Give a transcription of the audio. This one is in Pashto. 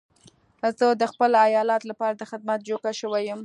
زه د خپل ايالت لپاره د خدمت جوګه شوی يم.